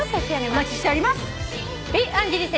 お待ちしております。